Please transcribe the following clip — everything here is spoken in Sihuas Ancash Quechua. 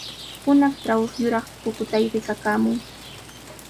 Hunaqtraw yuraq pukutay rikakaamun.